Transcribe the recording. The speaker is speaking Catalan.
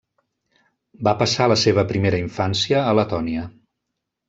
Va passar la seva primera infància a Letònia.